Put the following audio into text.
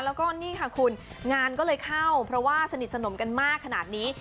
แล้วก็นี่ค่ะคุณงานก็เลยเข้าเพราะว่าสนิทสนมกันมากขนาดนี้